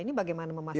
ini bagaimana memastikan